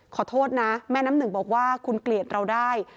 ขอโทษนะแม่น้ำหนึ่งบอกว่าคุณเกลียดเราได้